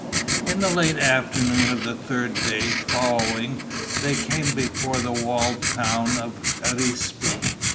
In late afternoon of the third day following, they came before the walled town of Arispe.